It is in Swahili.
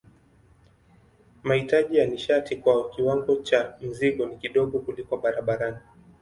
Mahitaji ya nishati kwa kiwango cha mzigo ni kidogo kuliko barabarani.